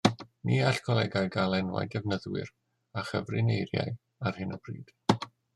Ni all colegau gael enwau defnyddwyr a chyfrineiriau ar hyn o bryd